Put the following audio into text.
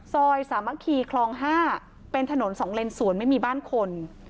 ซอยสามารถขี่คลองห้าเป็นถนนสองเลนส์สวนไม่มีบ้านคน